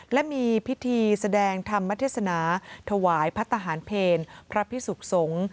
และมีพิธีแสดงธรรมเทศนาถวายพระทหารเพลพระพิสุขสงฆ์